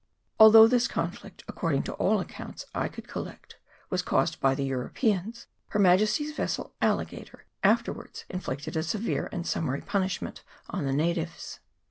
Although this conflict, according to all the accounts I could collect, was causi|d by the Europeans, Her Majesty's vessel Alligator' afterwards inflicted a severe and summary punishment on the natives.